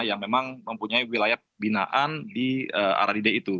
yang memang mempunyai wilayah pembinaan di aradida itu